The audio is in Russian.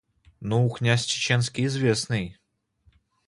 Ну, князь Чеченский, известный.